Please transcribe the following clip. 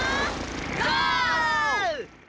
ゴー！